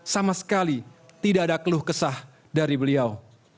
sama sekali tidak ada keluh kesah dari beliau